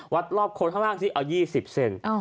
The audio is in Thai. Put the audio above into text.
วัดรอบโคตรข้างล่างสิเอา๒๐เซนติเซนติ